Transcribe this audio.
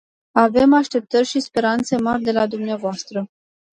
Avem așteptări și speranțe mari de la dumneavoastră.